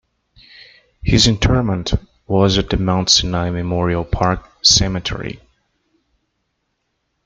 His interment was at Mount Sinai Memorial Park Cemetery.